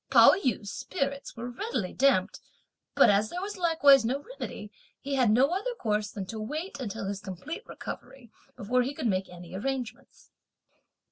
Pao yü's spirits were readily damped, but as there was likewise no remedy he had no other course than to wait until his complete recovery, before he could make any arrangements.